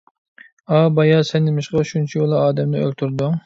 ئابايا سەن نېمىشقا شۇنچىۋالا ئادەمنى ئۆلتۈردۈڭ؟